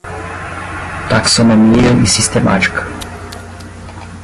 Taxonomia e sistemática